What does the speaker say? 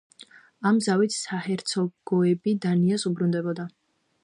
ამ ზავით საჰერცოგოები დანიას უბრუნდებოდა.